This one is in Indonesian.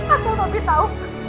asal papi tahu